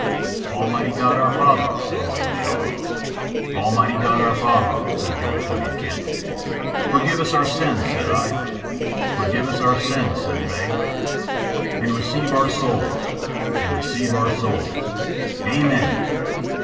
"'Almighty God, our Father,' said William Shaw. "'Almighty God, our Father,' said George W. Kent. "'Forgive us our sins,' said I. "'Forgive us our sins,' said they. "'And receive our souls.' "'And receive our souls.' "'Amen!